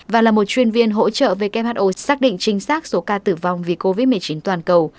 và là một chuyên viên hỗ trợ who xác định chính xác số ca tử vong vì covid một mươi chín toàn cầu